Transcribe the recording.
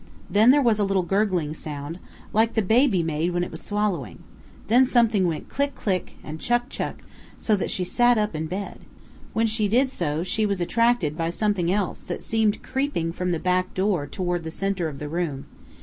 Then there was a little gurgling sound, "like the baby made when it was swallowing"; then something went "click click" and "cluck cluck," so that she sat up in bed. When she did so she was attracted by something else that seemed creeping from the back door toward the center of the room.